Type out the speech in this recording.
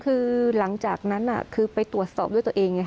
คือหลังจากนั้นคือไปตรวจสอบด้วยตัวเอง